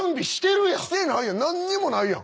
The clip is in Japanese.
何にもないやん。